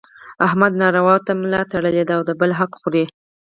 احمد نارواوو ته ملا تړلې ده او د بل حق خوري.